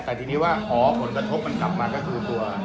แต่ทีนี้ว่าหอผนกระทบกลับมาก็คือ